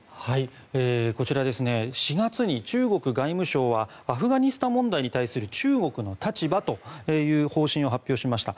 ４月に中国外務省はアフガニスタン問題に対する中国の立場という方針を発表しました。